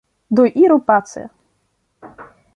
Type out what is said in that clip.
Do iru pace!